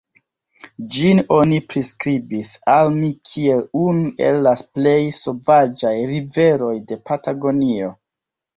Ĝin oni priskribis al mi kiel unu el la plej sovaĝaj riveroj de Patagonio.